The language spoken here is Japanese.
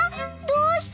どうして？